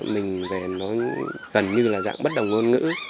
mình về nó gần như là dạng bất đồng ngôn ngữ